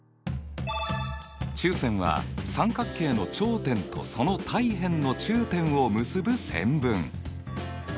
中線は三角形の頂点とその対辺の中点を結ぶ線分。